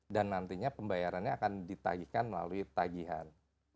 dan nantinya pembayarannya akan ditagihkan melalui tagihan